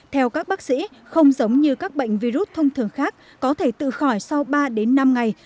theo các bác sĩ không giống như các bệnh virus thông thường khác có thể tự khỏi sau ba đến năm ngày